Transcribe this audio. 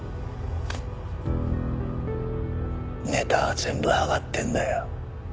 ネタは全部あがってるんだよ。